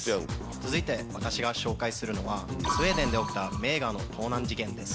続いて私が紹介するのはスウェーデンで起きた名画の盗難事件です。